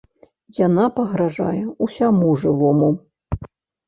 Яна пагражае ўсяму жывому.